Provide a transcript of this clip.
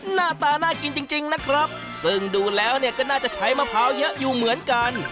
หน้าตาน่ากินจริงนะครับซึ่งดูแล้วเนี่ยก็น่าจะใช้มะพร้าวเยอะอยู่เหมือนกัน